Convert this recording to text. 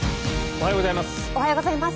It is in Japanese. おはようございます。